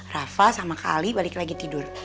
rafa sama ke ali balik lagi tidur